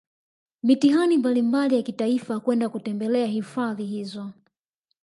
mitihani mbalimbali ya kitaifa kwenda kutembelea Hifadhi hizo